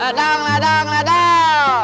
ledang ledang ledang